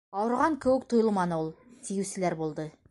Ауырыған кеүек тойолманы ул, - тиеүселәр булды.